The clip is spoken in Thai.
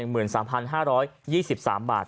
ได้เงินรางวัลไป๑๓๕๒๓บาท